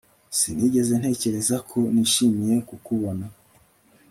Sinigeze ntekereza ko nishimiye kukubona